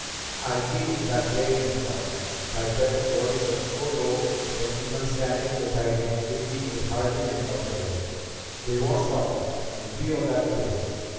"I'll be on that plane, Miss Barr." Tytell's voice was so low that even standing beside him, Vicki could hardly make out the words. "They won't stop me! I'll be on that plane."